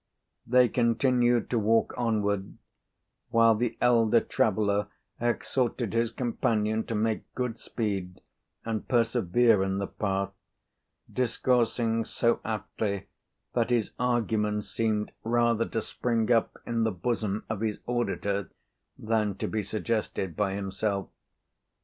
They continued to walk onward, while the elder traveller exhorted his companion to make good speed and persevere in the path, discoursing so aptly that his arguments seemed rather to spring up in the bosom of his auditor than to be suggested by himself.